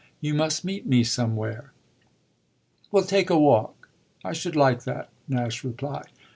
You must meet me somewhere." "Well take a walk I should like that," Nash replied.